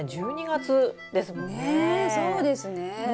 そうですね。